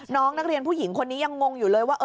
น้องนักเรียนผู้หญิงคนนี้ยังงงอยู่เลยว่า